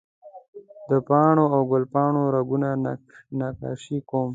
د پاڼو او ګل پاڼو رګونه نقاشي کوم